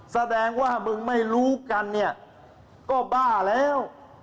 แสดงว่ามึงไม่รู้กันเนี่ยก็บ้าแล้ว